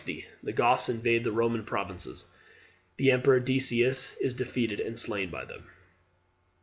The Goths invade the Roman provinces. The emperor Decius is defeated and slain by them.